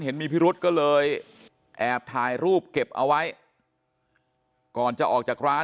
เห็นมีพิรุธก็เลยแอบถ่ายรูปเก็บเอาไว้ก่อนจะออกจากร้าน